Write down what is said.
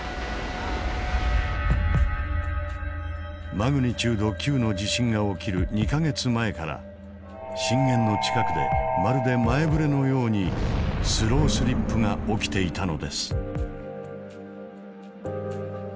マグニチュード９の地震が起きる２か月前から震源の近くでまるで前触れのようにスロースリップが起きていたのです。